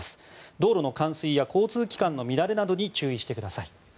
道路の冠水や交通機関の乱れなどに注意してください。